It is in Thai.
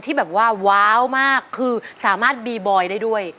ที่แบบว่าว้าวมากคือสามารถบีบอยได้ด้วย